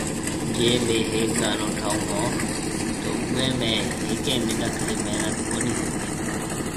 جي ميھ ھيَََڪ گانو ٺاھونھونتو اوئي ۾ ھيَََڪي منک ري محنت ڪونھيَََ ھوتي